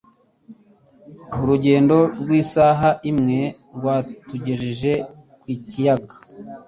Urugendo rw'isaha imwe rwatugejeje ku kiyaga.